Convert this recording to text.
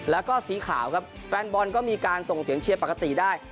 แล้วก็สีขาวครับแฟนบอลก็มีการส่งเสียงเชียร์ปกติได้